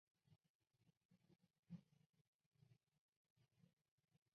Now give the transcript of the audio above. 美国国务院对德莫赖斯没有得到公平审判表示关切。